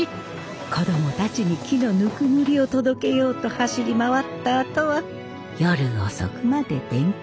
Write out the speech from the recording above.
子供たちに木のぬくもりを届けようと走り回ったあとは夜遅くまで勉強。